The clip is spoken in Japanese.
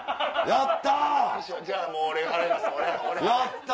やった。